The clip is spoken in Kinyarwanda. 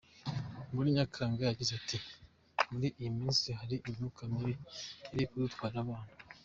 Muri Nyakanga yagize ati “Muri iyi minsi hari imyuka mibi iri kudutwarira abana.